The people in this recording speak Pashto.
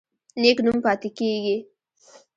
نیک نوم پاتې کیږي